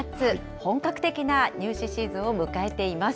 本格的な入試シーズンを迎えています。